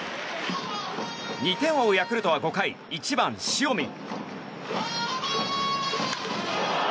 ２点を追うヤクルトは５回１番、塩見。